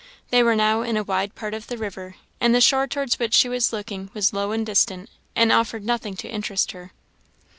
They were now in a wide part of the river, and the shore towards which she was looking was low and distant, and offered nothing to interest her.